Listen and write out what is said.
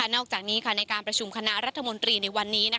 นอกจากนี้ในการประชุมคณะรัฐมนตรีในวันนี้